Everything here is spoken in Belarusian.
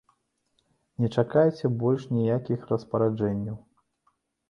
Не чакайце больш ніякіх распараджэнняў.